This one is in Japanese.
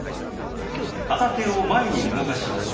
片手を前に動かします。